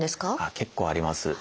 結構あります。